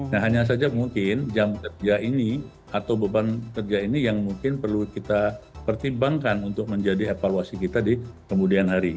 nah hanya saja mungkin jam kerja ini atau beban kerja ini yang mungkin perlu kita pertimbangkan untuk menjadi evaluasi kita di kemudian hari